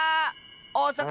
おおさか